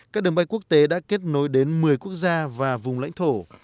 các đường bay quốc tế đã kết nối đến một mươi quốc gia và vùng lãnh thổ